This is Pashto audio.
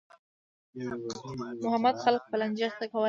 محمود خلک په لانجه اخته کول.